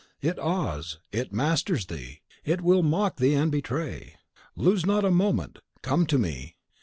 It awes, it masters thee; it will mock thee and betray. Lose not a moment; come to me.